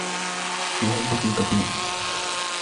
هو يحبكم كثيرًا.